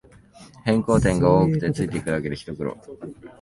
変更点が多くてついていくだけでひと苦労